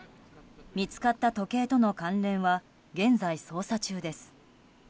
見つかった時計との関連は現在、捜査中です。